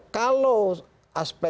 kita harus mengatakan bahwa